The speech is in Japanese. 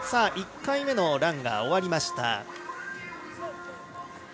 １回目のランが終わりました。